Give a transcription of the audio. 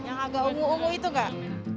yang agak ungu ungu itu kak